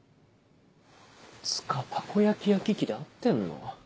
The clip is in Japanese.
つか「たこ焼き焼き器」で合ってんの？